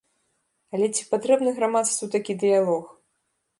Але ці патрэбны грамадству такі дыялог?